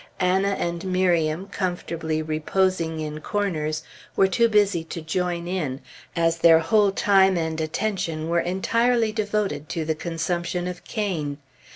Anna and Miriam, comfortably reposing in corners, were too busy to join in, as their whole time and attention were entirely devoted to the consumption of cane.